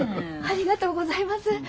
ありがとうございます。